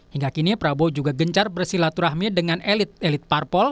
hingga kini prabowo juga gencar bersilaturahmi dengan elit elit parpol